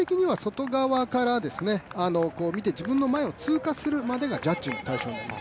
基本的には外側から見て自分の前を通過するまでがジャッジの対象になります。